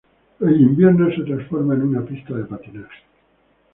En invierno se transforma en una pista de patinaje.